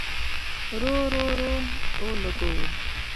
رور، رور، رور اولګوو